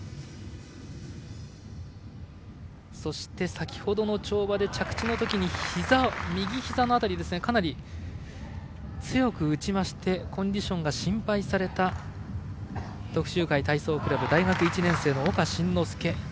先ほどの跳馬で着地のときに右ひざの辺りをかなり強く打ちましてコンディションが心配された徳洲会体操クラブ大学１年生の岡慎之助。